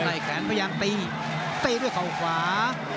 แขนพยายามตีตีด้วยเขาขวา